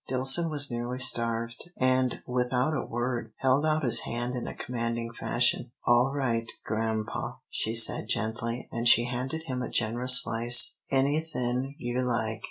Dillson was nearly starved, and, without a word, held out his hand in a commanding fashion. "All right, grampa," she said, gently, and she handed him a generous slice; "anythin' you like.